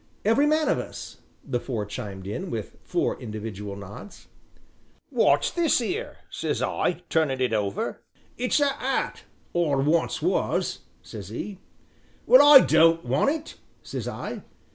"Every man of us," the four chimed in with four individual nods. "'Wot's this 'ere?' says I, turnin' it over. 'It's a 'at, or once was,' says 'e. 'Well, I don't want it,' says I.